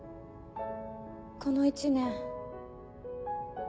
この１年。